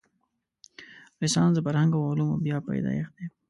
رنسانس د فرهنګ او علومو بیا پیدایښت دی.